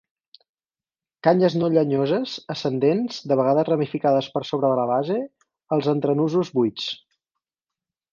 Canyes no llenyoses, ascendents, de vegades ramificades per sobre de la base; els entrenusos buits.